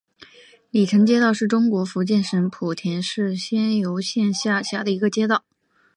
鲤城街道是中国福建省莆田市仙游县下辖的一个街道。